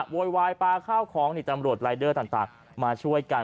โวยวายปลาข้าวของนี่ตำรวจรายเดอร์ต่างมาช่วยกัน